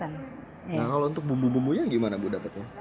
nah kalau untuk bumbu bumbunya gimana bu dapatnya